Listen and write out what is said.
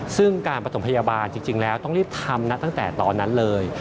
ซึ่งการประถมพยาบาลจริงแล้วต้องรีบทำนะตั้งแต่ตอนนั้นเลย